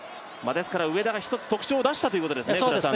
上田が一つ、特徴を出したということですね。